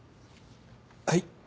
はい。